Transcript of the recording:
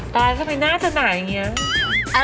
ตั๊ยทำไมหน้าเธอหน่ายอย่างเงี้ย